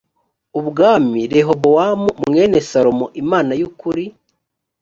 ubwami rehobowamu mwene salomo imana y ukuri